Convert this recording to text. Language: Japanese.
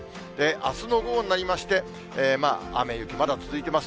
あすの午後になりまして、雨、雪、まだ続いています。